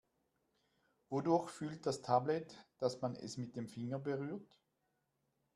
Wodurch fühlt das Tablet, dass man es mit dem Finger berührt?